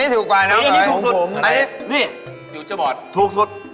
นี่อยู่จะบอด